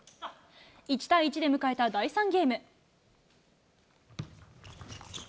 １対１で迎えた第３ゲーム。